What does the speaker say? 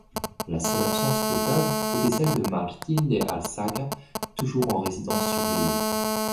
La seule absence notable était celle de Martín de Álzaga, toujours en résidence surveillée.